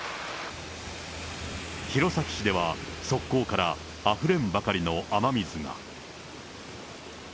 弘前市では側溝からあふれんばかりの雨水が。